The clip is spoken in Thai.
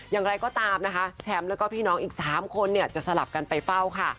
อย่างไรก็ตามนะคะแชมป์แล้วก็พี่น้องอีก๓คนเนี่ยจะสลับกันไปเฝ้าค่ะ